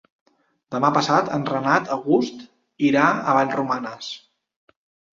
Demà passat en Renat August irà a Vallromanes.